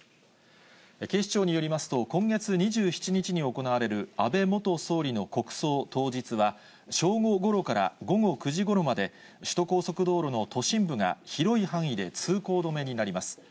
警視庁によりますと、今月２７日に行われる安倍元総理の国葬当日は、正午ごろから午後９時ごろまで、首都高速道路の都心部が広い範囲で通行止めになります。